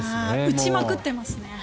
打ちまくってますね。